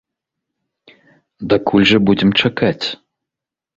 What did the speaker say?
Дакуль жа будзем чакаць?